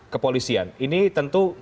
kepolisian ini tentu